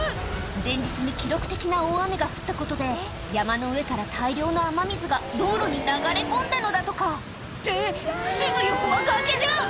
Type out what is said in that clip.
前日に記録的な大雨が降ったことで山の上から大量の雨水が道路に流れ込んだのだとかってすぐ横は崖じゃん！